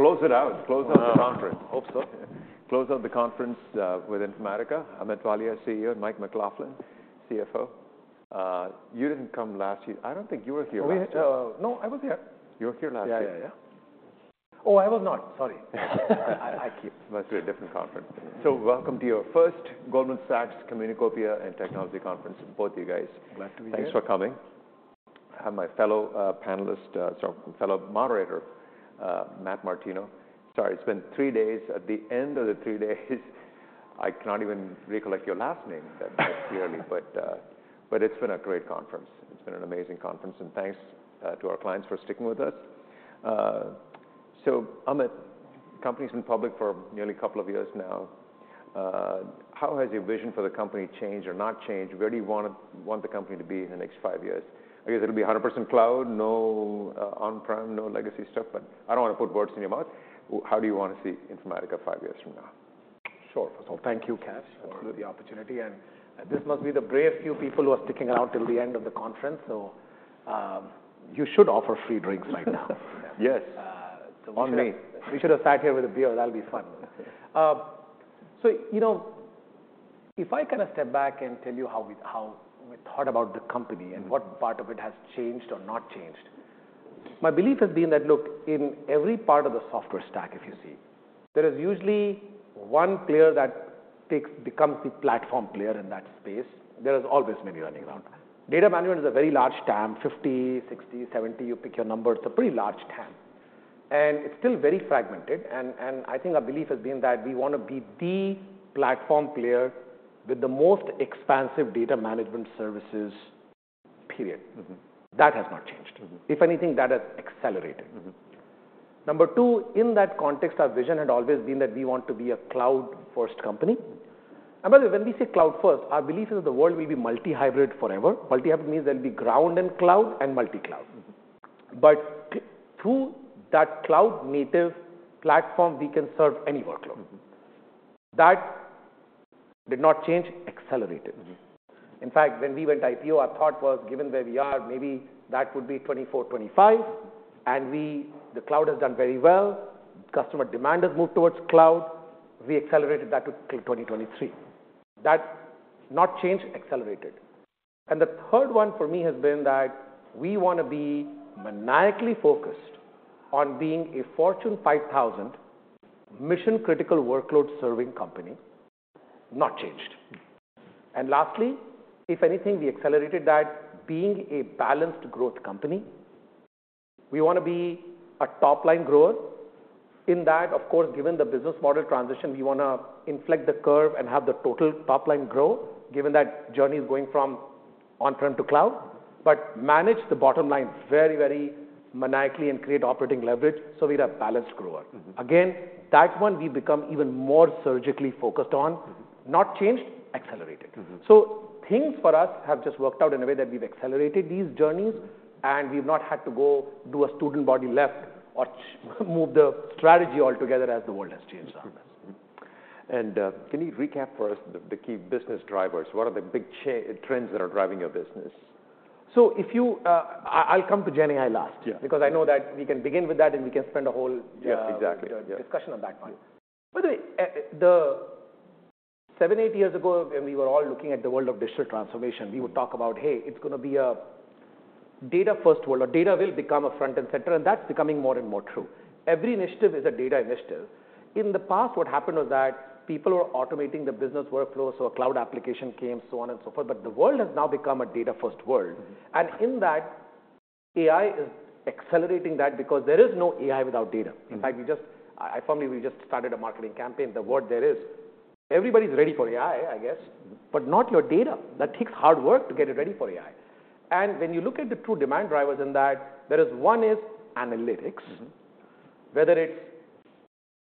Close it out, close out the conference. Hope so. Close out the conference with Informatica. Amit Walia, CEO, and Mike McLaughlin, CFO. You didn't come last year. I don't think you were here last year. No, I was here. You were here last year? Yeah, yeah, yeah. Oh, I was not. Sorry. I keep- Must be a different conference. So welcome to your first Goldman Sachs Communacopia + Technology Conference, both of you guys. Glad to be here. Thanks for coming. I have my fellow panelist, sorry, fellow moderator, Matt Martino. Sorry, it's been three days. At the end of the three days, I cannot even recollect your last name that clearly. But, but it's been a great conference. It's been an amazing conference, and thanks to our clients for sticking with us. So Amit, company's been public for nearly a couple of years now. How has your vision for the company changed or not changed? Where do you want the company to be in the next five years? I guess it'll be 100% cloud, no on-prem, no legacy stuff, but I don't want to put words in your mouth. How do you want to see Informatica five years from now? Sure. So thank you, Kash- Mm-hmm... for the opportunity, and this must be the brave few people who are sticking out till the end of the conference, so you should offer free drinks right now. Yes, on me. We should have sat here with a beer, that'd be fun. So, you know, if I kind of step back and tell you how we, how we thought about the company- Mm-hmm... and what part of it has changed or not changed, my belief has been that, look, in every part of the software stack, if you see, there is usually one player that takes, becomes the platform player in that space. There is always many running around. Data management is a very large TAM, 50, 60, 70, you pick your number, it's a pretty large TAM, and, and I think our belief has been that we want to be the platform player with the most expansive data management services, period. Mm-hmm. That has not changed. Mm-hmm. If anything, that has accelerated. Mm-hmm. Number two, in that context, our vision had always been that we want to be a cloud-first company. And by the way, when we say cloud-first, our belief is the world will be multi-hybrid forever. Multi-hybrid means there'll be ground and cloud, and multi-cloud. Mm-hmm. But through that cloud-native platform, we can serve any workload. Mm-hmm. That did not change, accelerated. Mm-hmm. In fact, when we went IPO, our thought was, given where we are, maybe that would be 2024, 2025, and we... The cloud has done very well, customer demand has moved towards cloud, we accelerated that to, to 2023. That not changed, accelerated. And the third one for me has been that we want to be maniacally focused on being a Fortune 5,000, mission-critical workload-serving company, not changed. And lastly, if anything, we accelerated that, being a balanced growth company. We want to be a top-line grower. In that, of course, given the business model transition, we want to inflect the curve and have the total top-line growth, given that journey is going from on-prem to cloud, but manage the bottom line very, very maniacally and create operating leverage, so we're a balanced grower. Mm-hmm. Again, that one we've become even more surgically focused on. Mm-hmm. Not changed, accelerated. Mm-hmm. Things for us have just worked out in a way that we've accelerated these journeys, and we've not had to go do a student body left or move the strategy altogether as the world has changed on us. Mm-hmm. And, can you recap for us the key business drivers? What are the big trends that are driving your business? I'll come to GenAI last. Yeah... because I know that we can begin with that, and we can spend a whole- Yeah, exactly... discussion on that one. Yeah. By the way, 7, 8 years ago, when we were all looking at the world of digital transformation- Mm-hmm... we would talk about, "Hey, it's going to be a data-first world, or data will become a front and center," and that's becoming more and more true. Every initiative is a data initiative. In the past, what happened was that people were automating the business workflows, so a cloud application came, so on and so forth, but the world has now become a data-first world. Mm-hmm. In that, AI is accelerating that because there is no AI without data. Mm-hmm. In fact, we just, For me, we just started a marketing campaign. The word there is, everybody's ready for AI, I guess- Mm... but not your data. That takes hard work to get it ready for AI. And when you look at the two demand drivers in that, there is, one is analytics. Mm-hmm. Whether it's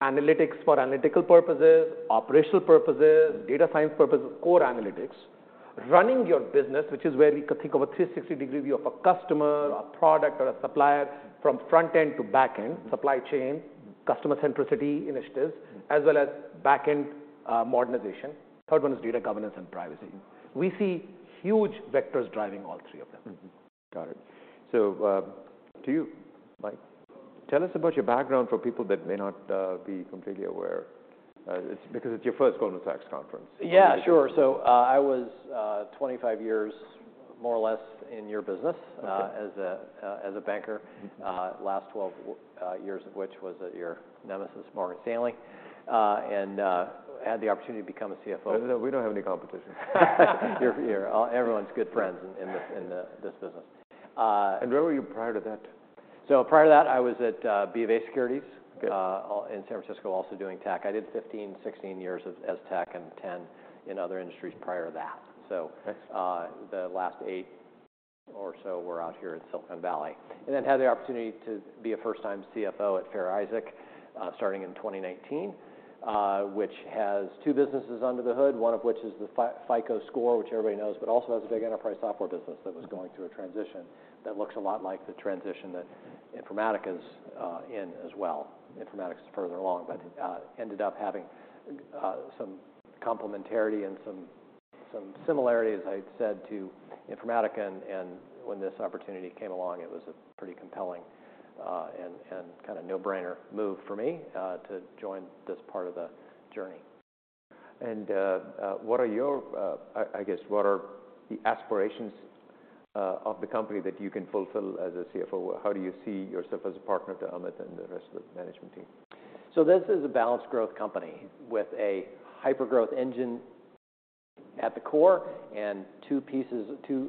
analytics for analytical purposes, operational purposes, data science purposes, core analytics, running your business, which is where we can think of a 360-degree view of a customer, a product, or a supplier, from front end to back end, supply chain- Mm-hmm... customer centricity initiatives- Mm... as well as back end, modernization. Third one is data governance and privacy. We see huge vectors driving all three of them. Mm-hmm. Got it. So, to you, Mike, tell us about your background for people that may not be completely aware. It's because it's your first Goldman Sachs conference. Yeah, sure. So, I was, 25 years, more or less, in your business- Okay... as a banker. Mm-hmm. last 12 years of which was at your nemesis, Morgan Stanley, and had the opportunity to become a CFO. We don't have any competition. Hear, hear, everyone's good friends in this business. Where were you prior to that? So prior to that, I was at BofA Securities. Okay... in San Francisco, also doing tech. I did 15, 16 years as tech, and 10 in other industries prior to that. Okay. So, the last eight or so were out here in Silicon Valley. And then had the opportunity to be a first-time CFO at Fair Isaac, starting in 2019, which has two businesses under the hood, one of which is the FICO Score, which everybody knows, but also has a big enterprise software business- Mm-hmm... that was going through a transition, that looks a lot like the transition that Informatica is in as well. Informatica is further along, but ended up having some complementarity and some similarities, I said to Informatica, and when this opportunity came along, it was a pretty compelling and kind of no-brainer move for me to join this part of the journey. I guess, what are the aspirations of the company that you can fulfill as a CFO? How do you see yourself as a partner to Amit and the rest of the management team? This is a balanced growth company with a hyper-growth engine at the core and two pieces, two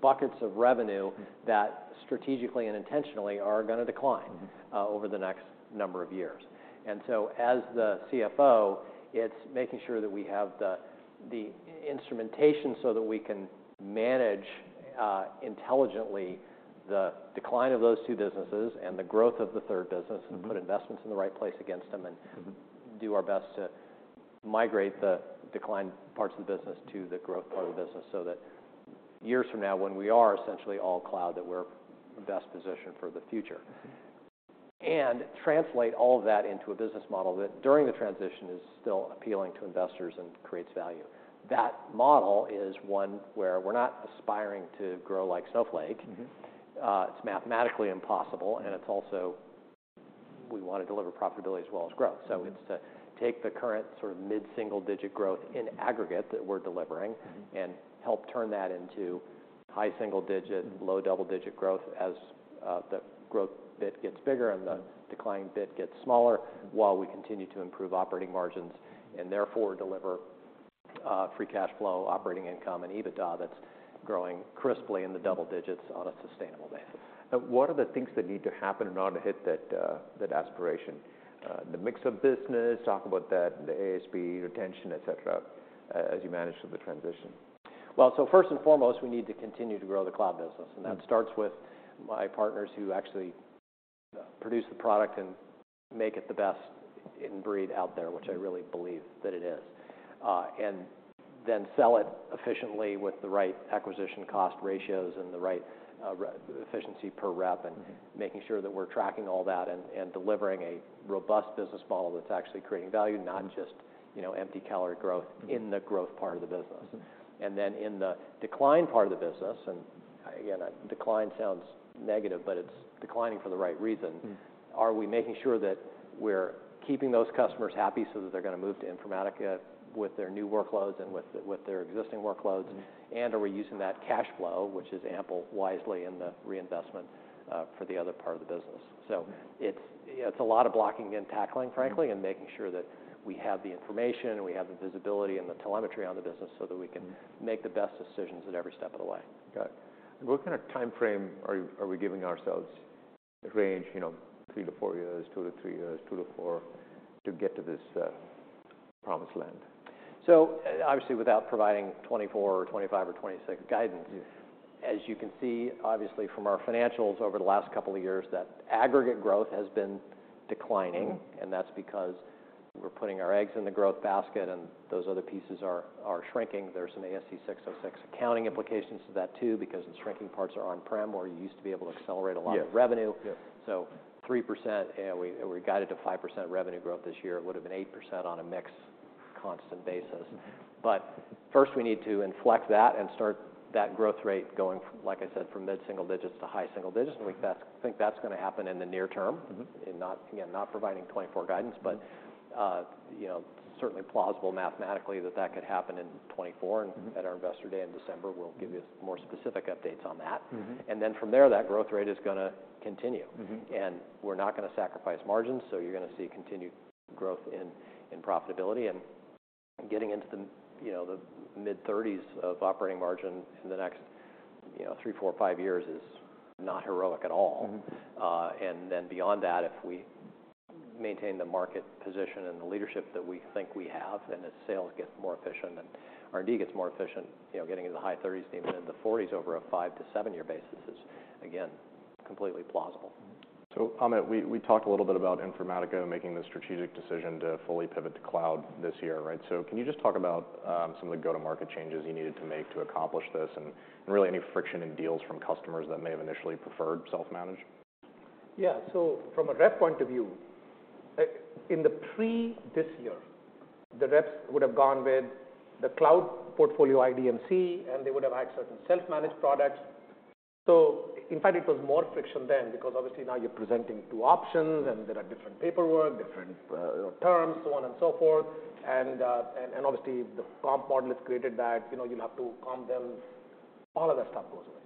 buckets of revenue that strategically and intentionally are going to decline- Mm-hmm Over the next number of years. And so as the CFO, it's making sure that we have the instrumentation so that we can manage intelligently the decline of those two businesses and the growth of the third business- Mm-hmm... and put investments in the right place against them, and- Mm-hmm do our best to migrate the declined parts of the business to the growth part of the business, so that years from now, when we are essentially all cloud, that we're best positioned for the future. And translate all of that into a business model that, during the transition, is still appealing to investors and creates value. That model is one where we're not aspiring to grow like Snowflake. Mm-hmm. It's mathematically impossible, and it's also we want to deliver profitability as well as growth. Mm-hmm. It's to take the current sort of mid-single-digit growth in aggregate that we're delivering- Mm-hmm... and help turn that into high single digit, low double-digit growth as, the growth bit gets bigger and the decline bit gets smaller, while we continue to improve operating margins, and therefore deliver, free cash flow, operating income, and EBITDA, that's growing crisply in the double digits on a sustainable basis. What are the things that need to happen in order to hit that aspiration? The mix of business, talk about that, the ASP, retention, et cetera, as you manage through the transition. Well, so first and foremost, we need to continue to grow the cloud business. Mm-hmm. That starts with my partners who actually produce the product and make it the best in breed out there, which I really believe that it is, and then sell it efficiently with the right acquisition cost ratios and the right, efficiency per rep- Mm-hmm... and making sure that we're tracking all that and, and delivering a robust business model that's actually creating value, not just, you know, empty calorie growth in the growth part of the business. Mm-hmm. And then in the decline part of the business, and again, a decline sounds negative, but it's declining for the right reason. Mm-hmm. Are we making sure that we're keeping those customers happy so that they're going to move to Informatica with their new workloads and with their existing workloads? Mm-hmm. Are we using that cash flow, which is ample, wisely in the reinvestment for the other part of the business? Mm-hmm. So it's a lot of blocking and tackling, frankly- Mm-hmm... and making sure that we have the information, and we have the visibility and the telemetry on the business so that we can- Mm-hmm make the best decisions at every step of the way. Got it. What kind of time frame are we giving ourselves to range, you know, 3-4 years, 2-3 years, 2-4, to get to this promised land? Obviously, without providing 2024, 2025 or 2026 guidance- Yeah... as you can see, obviously from our financials over the last couple of years, that aggregate growth has been declining. Mm-hmm. And that's because we're putting our eggs in the growth basket, and those other pieces are shrinking. There's some ASC 606 accounting implications to that, too, because the shrinking parts are on-prem, where you used to be able to accelerate a lot of revenue. Yeah. Yeah. So 3%, and we, we guided to 5% revenue growth this year. It would have been 8% on a mix constant basis. But first, we need to inflect that and start that growth rate going, like I said, from mid single digits to high single digits, and we think that's going to happen in the near term. Mm-hmm. Not, again, not providing 2024 guidance, but you know, certainly plausible mathematically that that could happen in 2024. Mm-hmm. At our Investor Day in December, we'll give you more specific updates on that. Mm-hmm. From there, that growth rate is gonna continue. Mm-hmm. We're not gonna sacrifice margins, so you're gonna see continued growth in profitability and getting into the, you know, the mid-thirties of operating margin in the next, you know, 3, 4, 5 years is not heroic at all. Mm-hmm. And then beyond that, if we maintain the market position and the leadership that we think we have, and as sales gets more efficient and R&D gets more efficient, you know, getting in the high thirties, even in the forties over a 5- to 7-year basis is, again, completely plausible. Mm-hmm. So Amit, we talked a little bit about Informatica making the strategic decision to fully pivot to cloud this year, right? So can you just talk about some of the go-to-market changes you needed to make to accomplish this, and really any friction in deals from customers that may have initially preferred self-managed? Yeah. So from a rep point of view, in the pre this year, the reps would have gone with the cloud portfolio IDMC, and they would have had certain self-managed products. So in fact, it was more friction then, because obviously now you're presenting two options, and there are different paperwork, different, you know, terms, so on and so forth. And obviously, the comp model is created that, you know, you'll have to calm them. All of that stuff goes away.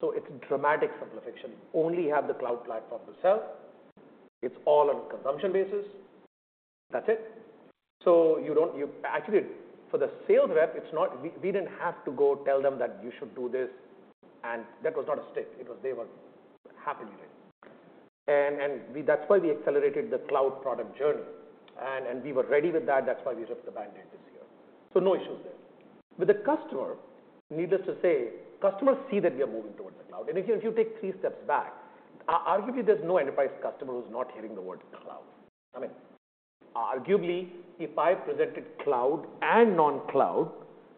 So it's a dramatic simplification. Only have the cloud platform to sell. It's all on consumption basis. That's it. So you don't... You-- Actually, for the sales rep, it's not-- We didn't have to go tell them that you should do this, and that was not a stick. It was, they were happy with it. And that's why we accelerated the cloud product journey, and we were ready with that. That's why we took the band-aid this year. So no issues there. But the customer, needless to say, customers see that we are moving towards the cloud. And if you take three steps back, arguably, there's no enterprise customer who's not hearing the word cloud. I mean, arguably, if I presented cloud and non-cloud,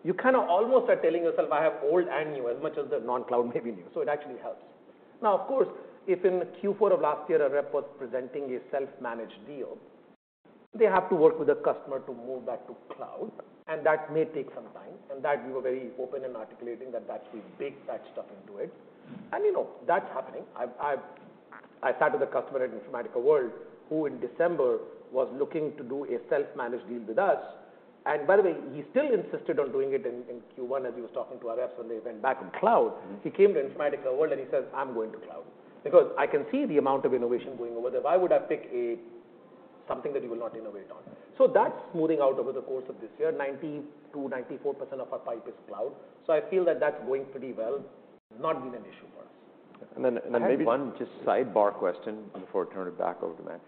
you kind of almost are telling yourself I have old and new, as much as the non-cloud may be new. So it actually helps... Now, of course, if in Q4 of last year, a rep was presenting a self-managed deal, they have to work with the customer to move that to cloud, and that may take some time. And that we were very open in articulating that that's a big patch stuff into it. You know, that's happening. I've, I've, I talked to the customer at Informatica World, who in December was looking to do a self-managed deal with us. And by the way, he still insisted on doing it in, in Q1 as he was talking to our reps when they went back in cloud. Mm-hmm. He came to Informatica World, and he says, "I'm going to cloud, because I can see the amount of innovation going over there. Why would I pick a something that you will not innovate on?" So that's smoothing out over the course of this year. 92%-94% of our pipe is cloud, so I feel that that's going pretty well, not been an issue for us. And then, maybe- I have one just sidebar question before I turn it back over to Matt.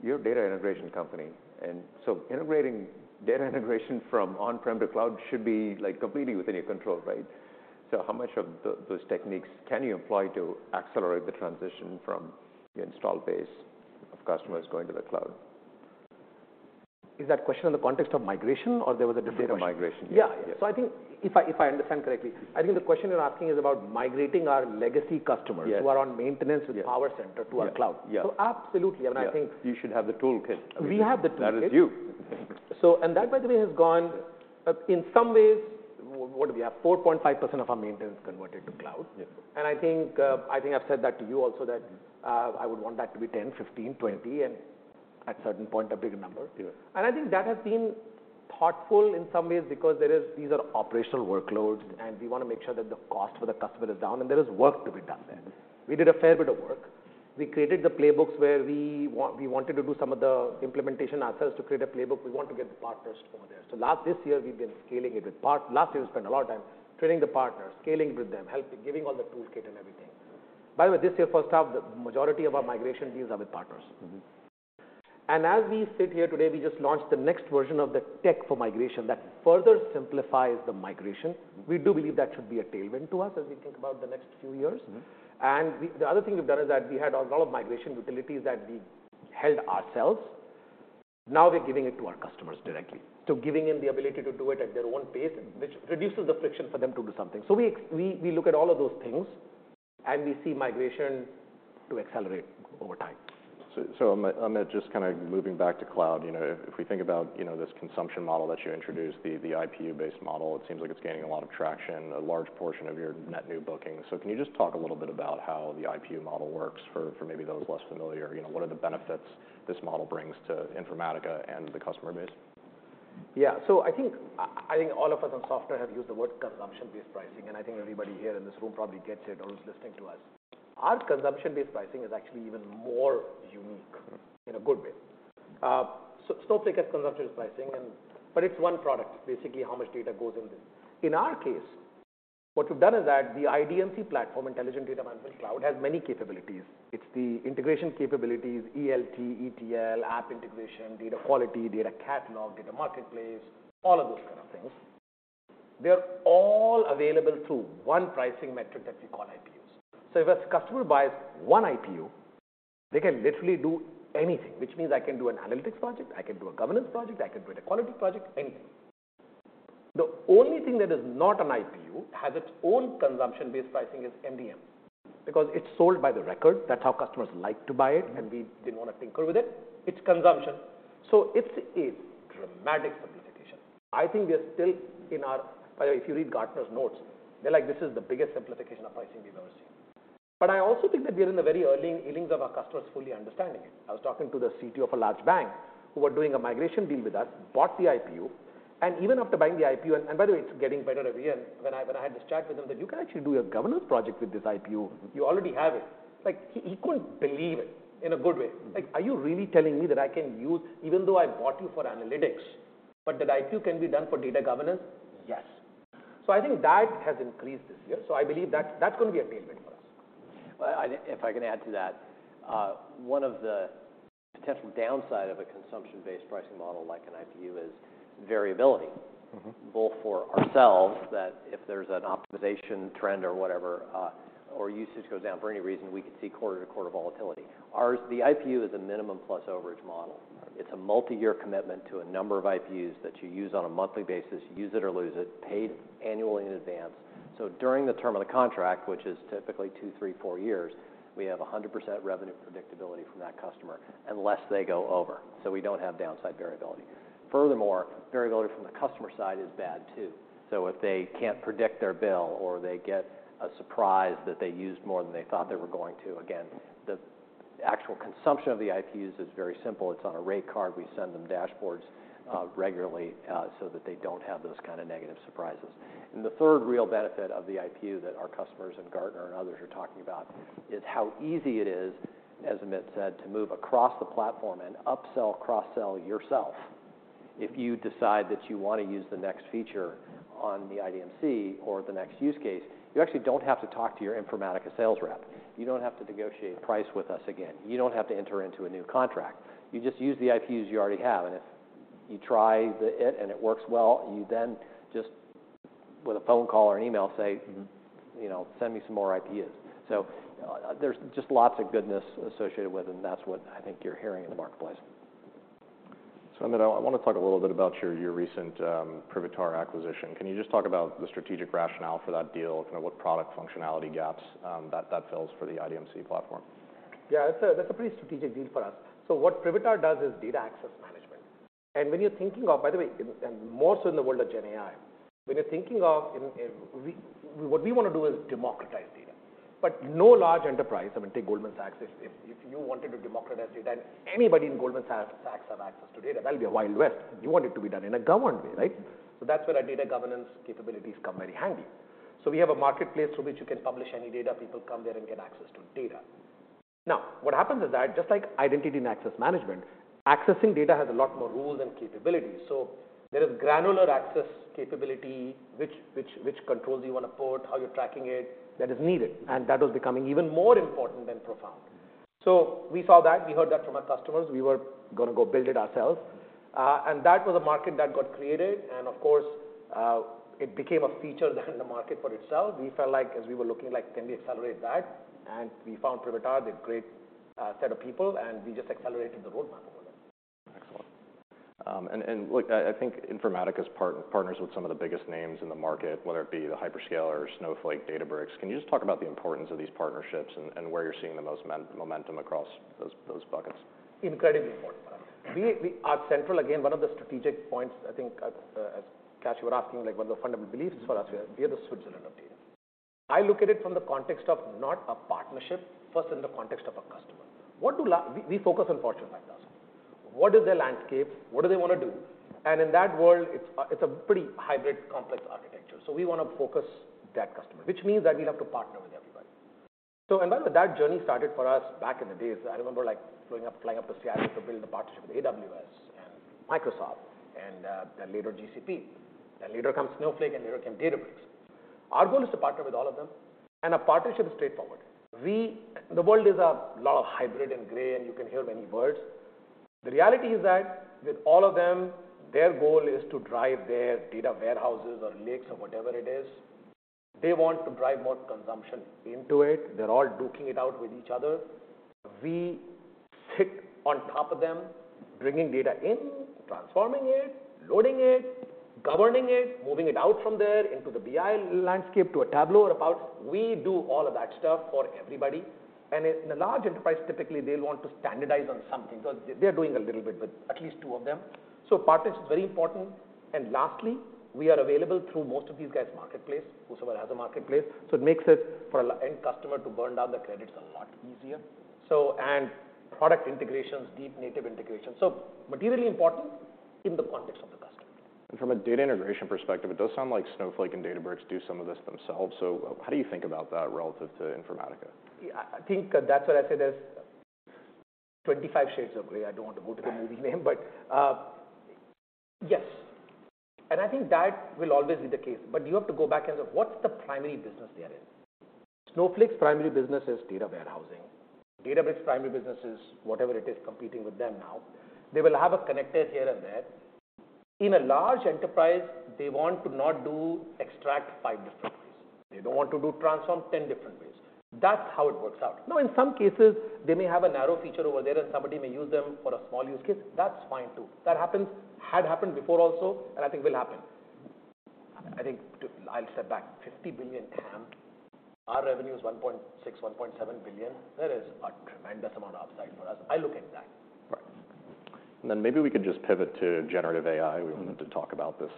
You're a data integration company, and so integrating data integration from on-prem to cloud should be, like, completely within your control, right? So how much of those techniques can you employ to accelerate the transition from the install base of customers going to the cloud? Is that question in the context of migration, or there was a different question? Data migration. Yeah. Yes. So I think, if I understand correctly, I think the question you're asking is about migrating our legacy customers- Yes... who are on maintenance with PowerCenter- Yeah to our cloud. Yeah. So absolutely, and I think- Yeah. You should have the toolkit. We have the toolkit. That is you. So, and that, by the way, has gone- Yes... in some ways, what do we have? 4.5% of our maintenance converted to cloud. Yes. I think, I think I've said that to you also that, I would want that to be 10, 15, 20, and at certain point, a bigger number. Sure. I think that has been thoughtful in some ways because these are operational workloads, and we want to make sure that the cost for the customer is down, and there is work to be done there. We did a fair bit of work. We created the playbooks where we wanted to do some of the implementation ourselves to create a playbook. We want to get the partners over there. This year, we've been scaling it. Last year, we spent a lot of time training the partners, scaling with them, helping, giving all the toolkit and everything. By the way, this year, first half, the majority of our migration deals are with partners. Mm-hmm. As we sit here today, we just launched the next version of the tech for migration that further simplifies the migration. We do believe that should be a tailwind to us as we think about the next few years. Mm-hmm. And the other thing we've done is that we had a lot of migration utilities that we held ourselves. Now we're giving it to our customers directly. So giving them the ability to do it at their own pace, which reduces the friction for them to do something. So we look at all of those things, and we see migration to accelerate over time. So, Amit, just kind of moving back to cloud, you know, if we think about, you know, this consumption model that you introduced, the IPU-based model, it seems like it's gaining a lot of traction, a large portion of your net new bookings. So can you just talk a little bit about how the IPU model works for maybe those less familiar? You know, what are the benefits this model brings to Informatica and the customer base? Yeah. So I think all of us in software have used the word consumption-based pricing, and I think everybody here in this room probably gets it or is listening to us. Our consumption-based pricing is actually even more unique, in a good way. So, Snowflake has consumption-based pricing and, but it's one product, basically, how much data goes in this. In our case, what we've done is that the IDMC platform, Intelligent Data Management Cloud, has many capabilities. It's the integration capabilities, ELT, ETL, app integration, data quality, data catalog, data marketplace, all of those kind of things. They're all available through one pricing metric that we call IPUs. So if a customer buys one IPU, they can literally do anything, which means I can do an analytics project, I can do a governance project, I can do a quality project, anything. The only thing that is not an IPU, has its own consumption-based pricing, is MDM, because it's sold by the record. That's how customers like to buy it- Mm-hmm. and we didn't want to tinker with it. It's consumption. So it's a dramatic simplification. I think we are still in our... By the way, if you read Gartner's notes, they're like, "This is the biggest simplification of pricing we've ever seen." But I also think that we are in the very early innings of our customers fully understanding it. I was talking to the CTO of a large bank who were doing a migration deal with us, bought the IPU, and even after buying the IPU, and, and by the way, it's getting better every year. When I, when I had this chat with him, that you can actually do a governance project with this IPU. Mm-hmm. You already have it. Like, he, he couldn't believe it, in a good way. Mm. Like, "Are you really telling me that I can use, even though I bought you for analytics, but that IPU can be done for data governance?" "Yes." So I think that has increased this year. So I believe that's, that's going to be a tailwind for us. Well, if I can add to that, one of the potential downside of a consumption-based pricing model like an IPU is variability. Mm-hmm... both for ourselves, that if there's an optimization trend or whatever, or usage goes down for any reason, we could see quarter-to-quarter volatility. Ours, the IPU is a minimum plus overage model. It's a multiyear commitment to a number of IPUs that you use on a monthly basis, use it or lose it, paid annually in advance. So during the term of the contract, which is typically 2, 3, 4 years, we have 100% revenue predictability from that customer unless they go over, so we don't have downside variability. Furthermore, variability from the customer side is bad, too. So if they can't predict their bill or they get a surprise that they used more than they thought they were going to, again, the actual consumption of the IPUs is very simple. It's on a rate card. We send them dashboards, regularly, so that they don't have those kind of negative surprises. The third real benefit of the IPU that our customers and Gartner and others are talking about is how easy it is, as Amit said, to move across the platform and upsell, cross-sell yourself. If you decide that you want to use the next feature on the IDMC or the next use case, you actually don't have to talk to your Informatica sales rep. You don't have to negotiate price with us again. You don't have to enter into a new contract. You just use the IPUs you already have, and if you try it, and it works well, you then just, with a phone call or an email, say, you know, "Send me some more IPUs." So, there's just lots of goodness associated with it, and that's what I think you're hearing in the marketplace.... So Amit, I want to talk a little bit about your, your recent Privitar acquisition. Can you just talk about the strategic rationale for that deal? Kind of what product functionality gaps that fills for the IDMC platform? Yeah, that's a pretty strategic deal for us. So what Privitar does is data access management. And when you're thinking of—by the way, in, and more so in the world of GenAI, when you're thinking of, you know, what we want to do is democratize data. But no large enterprise, I mean, take Goldman Sachs, if you wanted to democratize data, and anybody in Goldman Sachs have access to data, that'll be a Wild West. You want it to be done in a governed way, right? So that's where our data governance capabilities come very handy. So we have a marketplace through which you can publish any data. People come there and get access to data. Now, what happens is that just like identity and access management, accessing data has a lot more rules and capabilities. So there is granular access capability, which controls you want to put, how you're tracking it, that is needed, and that is becoming even more important than profound. So we saw that, we heard that from our customers. We were going to go build it ourselves, and that was a market that got created, and of course, it became a feature in the market for itself. We felt like, as we were looking, like, can we accelerate that? And we found Privitar, they had great set of people, and we just accelerated the roadmap over there. Excellent. And look, I think Informatica's partners with some of the biggest names in the market, whether it be the hyperscaler or Snowflake, Databricks. Can you just talk about the importance of these partnerships and where you're seeing the most momentum across those buckets? Incredibly important. We, we, our central, again, one of the strategic points, I think, as Kash, you were asking, like, what the fundamental beliefs for us, we are the Switzerland of data. I look at it from the context of not a partnership, first in the context of a customer. What do—We, we focus on Fortune 5,000. What is their landscape? What do they want to do? And in that world, it's a pretty hybrid, complex architecture. So we want to focus that customer, which means that we have to partner with everybody. So and by the way, that journey started for us back in the days. I remember, like, growing up, flying up to Seattle to build a partnership with AWS and Microsoft and, then later GCP, then later comes Snowflake, and later came Databricks. Our goal is to partner with all of them, and a partnership is straightforward. We... The world is a lot of hybrid and gray, and you can hear many words. The reality is that with all of them, their goal is to drive their data warehouses or lakes or whatever it is. They want to drive more consumption into it. They're all duking it out with each other. We sit on top of them, bringing data in, transforming it, loading it, governing it, moving it out from there into the BI landscape, to a Tableau or Power BI. We do all of that stuff for everybody, and in the large enterprise, typically, they'll want to standardize on something. So they're doing a little bit with at least two of them. So partnership is very important, and lastly, we are available through most of these guys' marketplace, whosoever has a marketplace. So it makes it for an end customer to burn down the credits a lot easier. So, and product integrations, deep native integrations, so materially important in the context of the customer. From a data integration perspective, it does sound like Snowflake and Databricks do some of this themselves. How do you think about that relative to Informatica? Yeah, I think that's what I said, is 25 shades of gray. I don't want to go to the movie name, but yes, and I think that will always be the case. But you have to go back and say, "What's the primary business they are in?" Snowflake's primary business is data warehousing. Databricks' primary business is whatever it is, competing with them now. They will have a connector here and there. In a large enterprise, they want to not do extract five different ways. They don't want to do transform ten different ways. That's how it works out. Now, in some cases, they may have a narrow feature over there, and somebody may use them for a small use case. That's fine, too. That happens, had happened before also, and I think will happen. I think to... I'll step back 50 billion TAM. Our revenue is $1.6-$1.7 billion. There is a tremendous amount of upside for us. I look at that. Right. And then maybe we could just pivot to generative AI. Mm-hmm. We wanted to talk about this,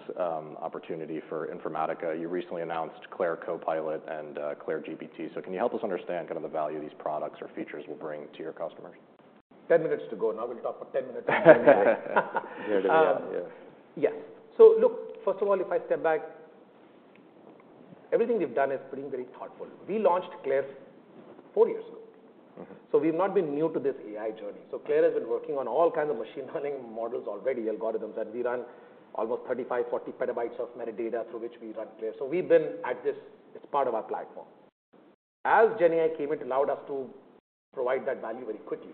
opportunity for Informatica. You recently announced CLAIRE Copilot and, CLAIRE GPT, so can you help us understand kind of the value these products or features will bring to your customers? 10 minutes to go. Now we'll talk for 10 minutes. Yeah. Yeah. Yes. So look, first of all, if I step back, everything we've done is pretty very thoughtful. We launched CLAIRE four years ago. Mm-hmm. We've not been new to this AI journey. Mm-hmm. So CLAIRE has been working on all kinds of machine learning models, already algorithms, and we run almost 35-40 PB of metadata through which we run CLAIRE. So we've been at this, it's part of our platform. As GenAI came, it allowed us to provide that value very quickly.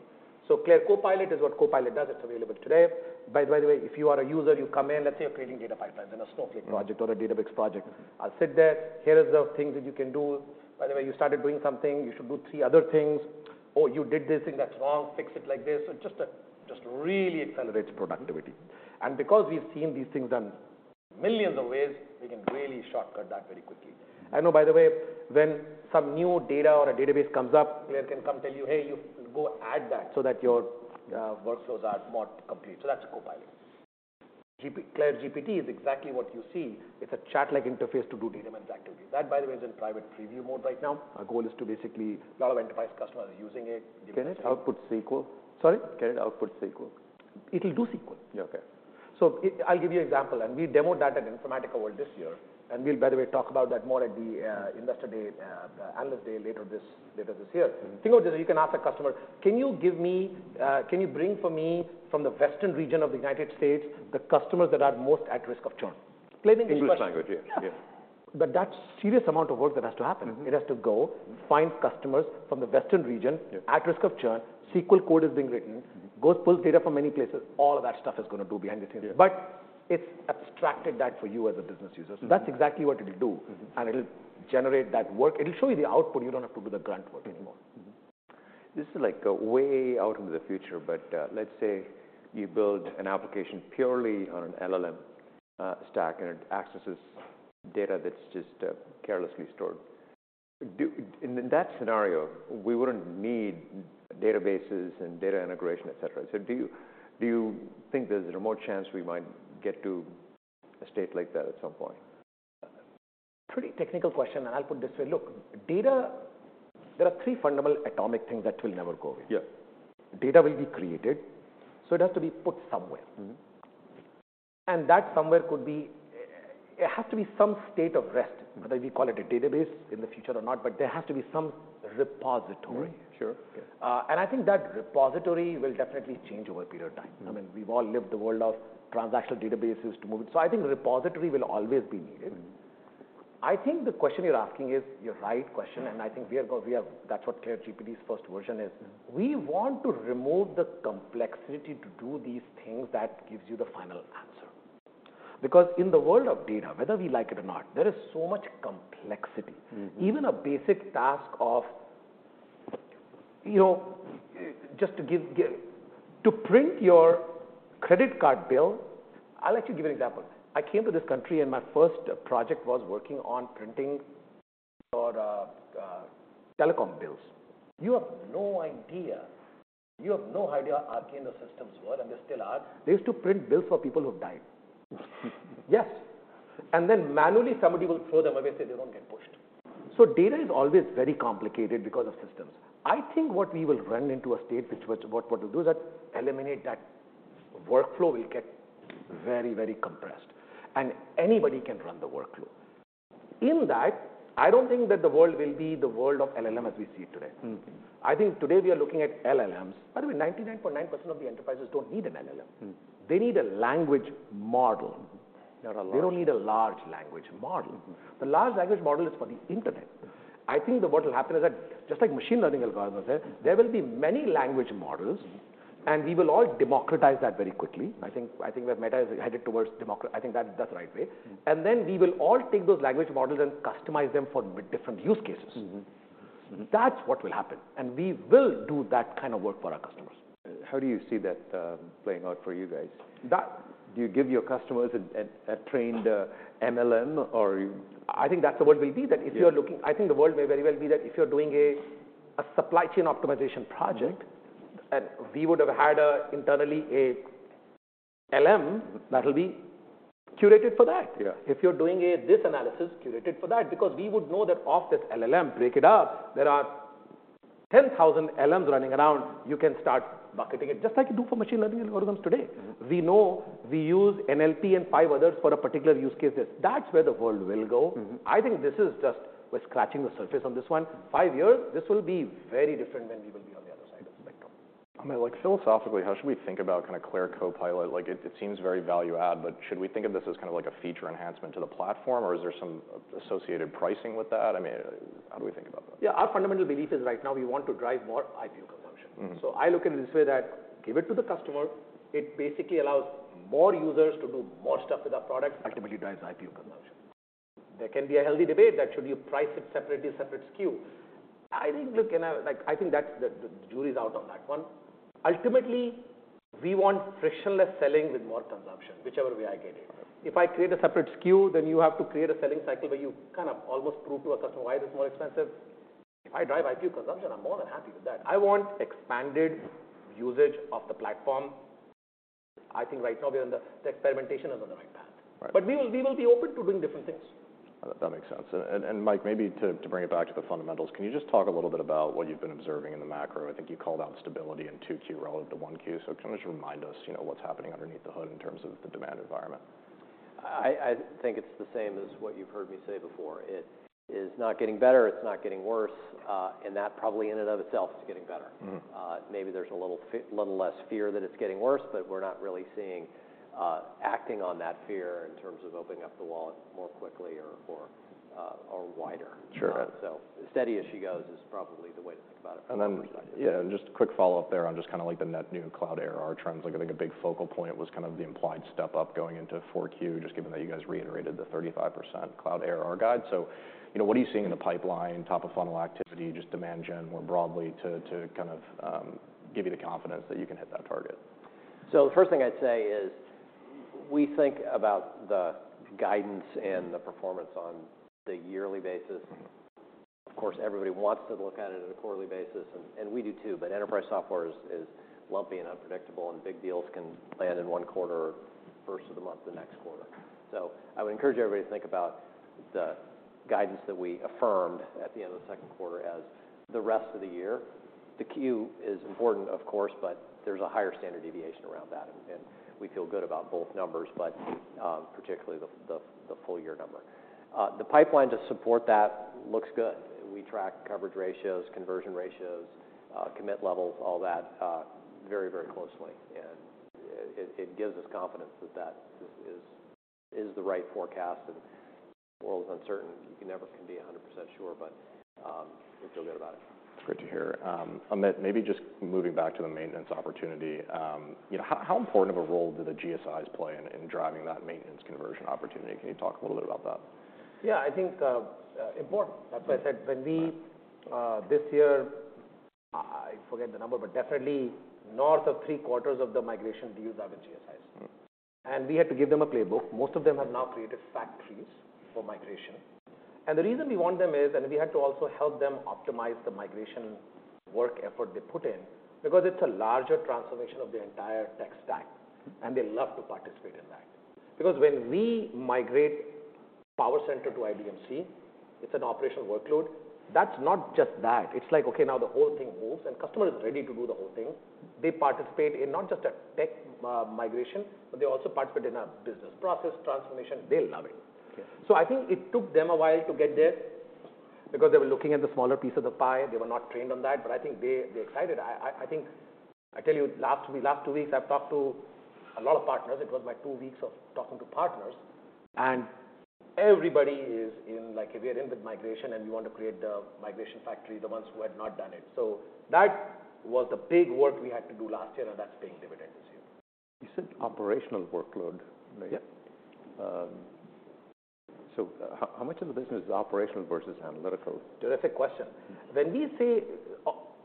So CLAIRE Copilot is what Copilot does. It's available today. By the way, if you are a user, you come in, let's say you're creating data pipelines in a Snowflake project or a Databricks project. I'll sit there. Here is the things that you can do. By the way, you started doing something, you should do three other things. Oh, you did this thing, that's wrong. Fix it like this. So just a, just really accelerates productivity. And because we've seen these things done millions of ways, we can really shortcut that very quickly. I know, by the way, when some new data or a database comes up, CLAIRE can come tell you, "Hey, you go add that so that your workflows are more complete." So that's a copilot. CLAIRE GPT is exactly what you see. It's a chat-like interface to do data activity. That, by the way, is in private preview mode right now. Our goal is to basically... A lot of enterprise customers are using it. Can it output SQL? Sorry? Can it output SQL? It will do SQL. Yeah. Okay. So, I'll give you an example, and we demoed that at Informatica World this year, and we'll, by the way, talk about that more at the investor day, analyst day, later this year. Think of this, you can ask a customer: Can you give me, can you bring for me from the western region of the United States, the customers that are most at risk of churn? Plain English language. English language, yeah. Yeah. Yeah. That's serious amount of work that has to happen. Mm-hmm. It has to go find customers from the western region- Yeah... at risk of churn. SQL code is being written- Mm-hmm... goes, pulls data from many places. All of that stuff is gonna go behind the scenes. Yeah. But it's abstracted that for you as a business user. Mm-hmm. So that's exactly what it'll do. Mm-hmm. It'll generate that work. It'll show you the output. You don't have to do the grunt work anymore.... This is like way out into the future, but, let's say you build an application purely on an LLM stack, and it accesses data that's just carelessly stored. In, in that scenario, we wouldn't need databases and data integration, et cetera. So do you, do you think there's a remote chance we might get to a state like that at some point? Pretty technical question, and I'll put this way. Look, data, there are three fundamental atomic things that will never go away. Yeah. Data will be created, so it has to be put somewhere. Mm-hmm. That somewhere could be it. It has to be some state of rest, whether we call it a database in the future or not, but there has to be some repository. Sure. Yeah. I think that repository will definitely change over a period of time. Mm-hmm. I mean, we've all lived the world of transactional databases to move it. So I think the repository will always be needed. Mm-hmm. I think the question you're asking is the right question- Mm-hmm. I think we are go, we have... That's what CLAIRE GPT's first version is. Mm-hmm. We want to remove the complexity to do these things that gives you the final answer. Because in the world of data, whether we like it or not, there is so much complexity. Mm-hmm. Even a basic task of, you know, just to give to print your credit card bill. I'd like to give an example. I came to this country, and my first project was working on printing your telecom bills. You have no idea, you have no idea how arcane the systems were, and they still are. They used to print bills for people who've died. Yes. And then manually, somebody will throw them away, so they don't get pushed. So data is always very complicated because of systems. I think what we will run into a state which what we'll do is that eliminate that workflow will get very, very compressed, and anybody can run the workflow. In that, I don't think that the world will be the world of LLM as we see it today. Mm-hmm. I think today we are looking at LLMs. By the way, 99.9% of the enterprises don't need an LLM. Mm-hmm. They need a language model. They're a large- They don't need a large language model. Mm-hmm. The large language model is for the Internet. Mm-hmm. I think that what will happen is that, just like machine learning algorithms, there will be many language models- Mm-hmm and we will all democratize that very quickly. I think, I think where Meta is headed towards demo-- I think that's, that's the right way. Mm-hmm. We will all take those language models and customize them for different use cases. Mm-hmm. Mm-hmm. That's what will happen, and we will do that kind of work for our customers. How do you see that, playing out for you guys? That- Do you give your customers a trained LLM, or...? I think that's the world will be. Yeah... if you're looking, I think the world may very well be that if you're doing a supply chain optimization project- Mm-hmm and we would have had an internal LLM, that'll be curated for that. Yeah. If you're doing this analysis, curated for that, because we would know that of this LLM, break it up, there are 10,000 LMs running around. You can start bucketing it, just like you do for machine learning algorithms today. Mm-hmm. We know we use NLP and five others for a particular use case. That's where the world will go. Mm-hmm. I think this is just, we're scratching the surface on this one. Five years, this will be very different when we will be on the other side of the spectrum. I mean, like, philosophically, how should we think about kind of CLAIRE Copilot? Like, it, it seems very value add, but should we think of this as kind of like a feature enhancement to the platform, or is there some associated pricing with that? I mean, how do we think about that? Yeah, our fundamental belief is, right now, we want to drive more IPU consumption. Mm-hmm. So I look at it this way, that give it to the customer. It basically allows more users to do more stuff with our product, ultimately drives IPU consumption. There can be a healthy debate that should you price it separately, a separate SKU. I think, look, you know, like, I think that's the, the jury is out on that one. Ultimately, we want frictionless selling with more consumption, whichever way I get it. If I create a separate SKU, then you have to create a selling cycle where you kind of almost prove to a customer why it's more expensive. If I drive IPU consumption, I'm more than happy with that. I want expanded usage of the platform. I think right now, we are on the, the experimentation is on the right path. Right. But we will, we will be open to doing different things. That makes sense. Mike, maybe to bring it back to the fundamentals, can you just talk a little bit about what you've been observing in the macro? I think you called out stability in 2Q relative to 1Q. So can you just remind us, you know, what's happening underneath the hood in terms of the demand environment? I think it's the same as what you've heard me say before. It is not getting better, it's not getting worse, and that probably in and of itself is getting better. Mm-hmm. Maybe there's a little less fear that it's getting worse, but we're not really seeing acting on that fear in terms of opening up the walls more quickly or wider. Sure. So, steady as she goes is probably the way to think about it from our perspective. Then, yeah, just a quick follow-up there on just kinda like the net new cloud ARR trends. Like, I think a big focal point was kind of the implied step up going into 4Q, just given that you guys reiterated the 35% cloud ARR guide. So, you know, what are you seeing in the pipeline, top of funnel activity, just demand gen more broadly, to kind of give you the confidence that you can hit that target? So the first thing I'd say is, we think about the guidance and the performance on a yearly basis. Of course, everybody wants to look at it on a quarterly basis, and we do, too. But enterprise software is lumpy and unpredictable, and big deals can land in one quarter, first of the month, the next quarter. So I would encourage everybody to think about the guidance that we affirmed at the end of the second quarter as the rest of the year. The Q is important, of course, but there's a higher standard deviation around that, and we feel good about both numbers, but particularly the full year number. The pipeline to support that looks good. We track coverage ratios, conversion ratios, commit levels, all that, very, very closely, and it gives us confidence that that is the right forecast. And the world is uncertain, you never can be 100% sure, but, we feel good about it. That's great to hear. Amit, maybe just moving back to the maintenance opportunity, you know, how, how important of a role do the GSIs play in, in driving that maintenance conversion opportunity? Can you talk a little bit about that? Yeah, I think important. Like I said, when we this year I forget the number, but definitely north of three-quarters of the migration deals are with GSIs. We had to give them a playbook. Most of them have now created factories for migration. The reason we want them is, we had to also help them optimize the migration work effort they put in, because it's a larger transformation of their entire tech stack, and they love to participate in that. Because when we migrate PowerCenter to IDMC, it's an operational workload. That's not just that. It's like, okay, now the whole thing moves, and customer is ready to do the whole thing. They participate in not just a tech migration, but they also participate in a business process transformation. They love it. Yeah. So I think it took them a while to get there because they were looking at the smaller piece of the pie. They were not trained on that, but I think they're excited. I think—I tell you, last week, last two weeks, I've talked to a lot of partners. It was my two weeks of talking to partners, and everybody is in, like, we are in with migration, and we want to create the migration factory, the ones who had not done it. So that was the big work we had to do last year, and that's paying dividends this year. You said operational workload, right? Yeah. So, how much of the business is operational versus analytical? Terrific question. Mm-hmm. When we say,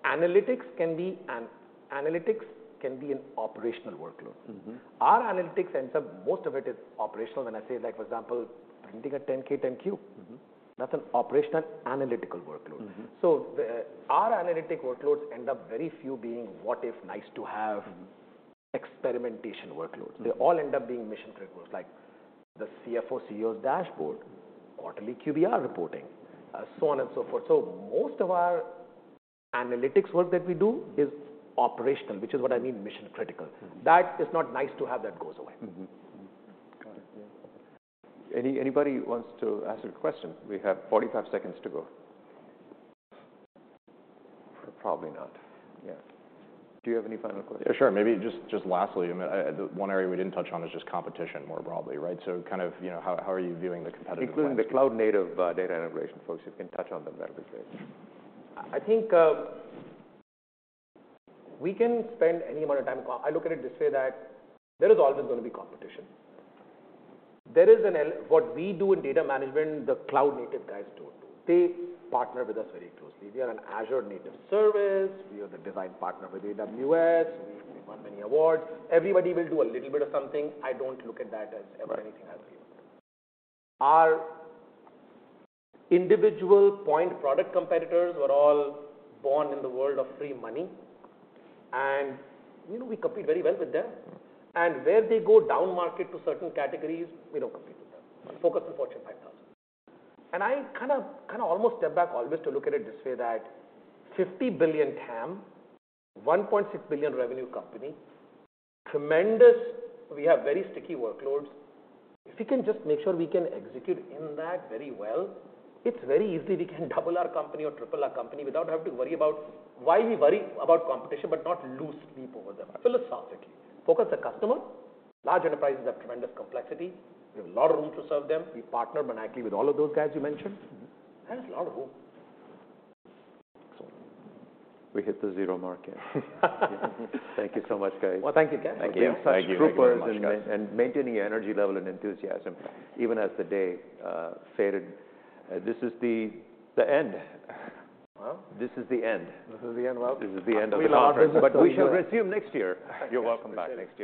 analytics can be an operational workload. Mm-hmm. Our analytics ends up most of it is operational. When I say, like, for example, printing a 10-K, 10-Q- Mm-hmm. That's an operational analytical workload. Mm-hmm. Our analytic workloads end up very few being what if, nice to have- Mm-hmm. experimentation workloads. Mm-hmm. They all end up being mission-critical, like the CFO, CEO's dashboard, quarterly QBR reporting, so on and so forth. So most of our analytics work that we do is operational, which is what I mean mission-critical. Mm-hmm. That is not nice to have, that goes away. Mm-hmm. Mm-hmm. Got it. Yeah. Anybody wants to ask a question? We have 45 seconds to go. Probably not. Yeah. Do you have any final questions? Yeah, sure. Maybe just lastly, the one area we didn't touch on is just competition more broadly, right? So kind of, you know, how are you viewing the competitive landscape? Including the cloud-native, data integration folks, you can touch on them that as well. I think, we can spend any amount of time... I look at it this way, that there is always going to be competition. There is what we do in data management, the cloud-native guys do it too. They partner with us very closely. We are an Azure native service. We are the design partner with AWS. We've won many awards. Everybody will do a little bit of something. I don't look at that as- Right... anything else. Our individual point product competitors were all born in the world of free money, and, you know, we compete very well with them. And where they go downmarket to certain categories, we don't compete with them. Mm-hmm. Focus on Fortune 5000. I kind of, kind of almost step back always to look at it this way, that $50 billion TAM, $1.6 billion revenue company, tremendous. We have very sticky workloads. If we can just make sure we can execute in that very well, it's very easy. We can double our company or triple our company without having to worry about why we worry about competition, but not lose sleep over them. Philosophically, focus the customer. Large enterprises have tremendous complexity. We have a lot of room to serve them. We partner monetarily with all of those guys you mentioned. Mm-hmm. There is a lot of hope. We hit the zero mark here. Thank you so much, guys. Well, thank you, Kash. Thank you. Thank you very much, guys. You're such troopers and maintaining your energy level and enthusiasm even as the day faded. This is the end. Well- This is the end. This is the end. Well- This is the end of the conference. We love it. But we shall resume next year. You're welcome back next year.